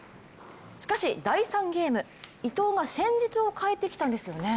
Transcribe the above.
しかし第３ゲーム、伊藤が戦術を変えてきたんですよね。